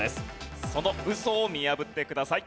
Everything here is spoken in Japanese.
そのウソを見破ってください。